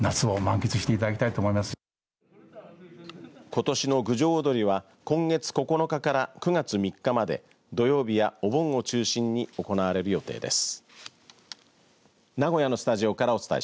ことしの郡上おどりは今月９日から９月３日まで土曜日やお盆を中心に行われる予定です。